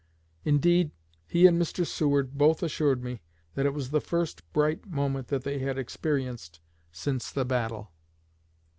Indeed, he and Mr. Seward both assured me that it was the first bright moment that they had experienced since the battle."